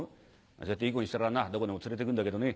「そうやっていい子にしたらなどこでも連れてくんだけどね」。